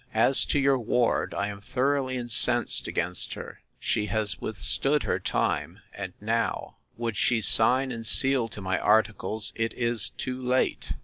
As to your ward, I am thoroughly incensed against her: She has withstood her time; and now, would she sign and seal to my articles, it is too late.